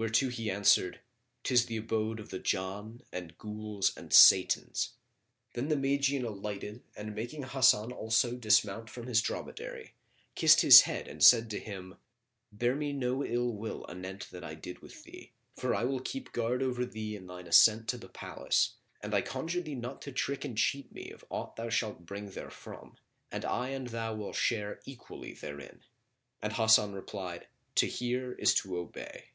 whereto he answered, "'Tis the abode of the Jann and Ghuls and Satans." Then the Magian alighted and making Hasan also dismount from his dromedary kissed his head and said to him, "Bear me no ill will anent that I did with thee, for I will keep guard over thee in thine ascent to the palace; and I conjure thee not to trick and cheat me of aught thou shalt bring therefrom; and I and thou will share equally therein." And Hasan replied, "To hear is to obey."